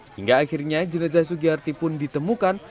hingga akhirnya jenazah sugiyarti pun ditemukan